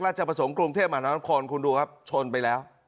ประสงค์กรุงเทพมหานครคุณดูครับชนไปแล้ว